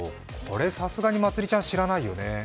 さすがにまつりちゃん、知らないよね？